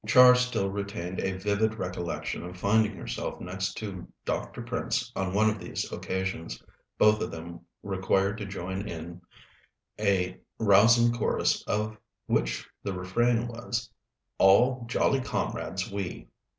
Char still retained a vivid recollection of finding herself next to Dr. Prince on one of these occasions, both of them required to join in a rousing chorus of which the refrain was "All jolly comrades we!"